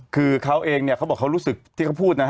คือเขาเองเนี่ยเขาบอกเขารู้สึกที่เขาพูดนะฮะ